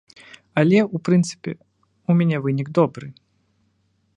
Але, у прынцыпе, у мяне вынік добры.